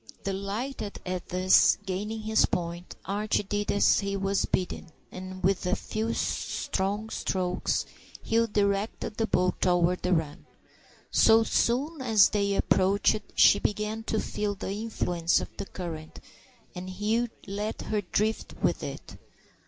Delighted at thus gaining his point, Archie did as he was bidden, and with a few strong strokes Hugh directed the boat toward the run. So soon as they approached she began to feel the influence of the current, and Hugh let her drift with it.